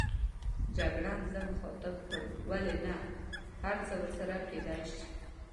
جګړن زه مخاطب کړم: ولې نه، هرڅه ورسره کېدای شي.